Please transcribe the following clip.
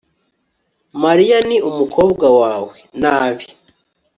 mariya ni umukobwa wawe? nabi